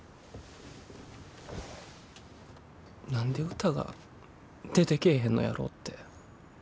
何で歌が出てけえへんのやろって。